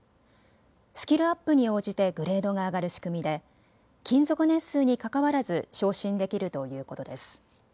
スキルアップに応じてグレードが上がる仕組みで勤続年数にかかわらず昇進できるということです。